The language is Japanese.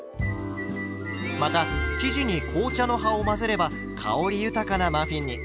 また生地に紅茶の葉を混ぜれば香り豊かなマフィンに。